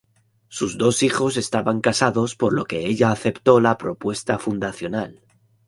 Sus dos hijos estaban casados por lo que ella aceptó la propuesta fundacional.